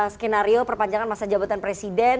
skenario perpanjangan masa jabatan presiden